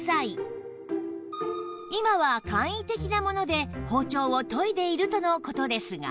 今は簡易的なもので包丁を研いでいるとの事ですが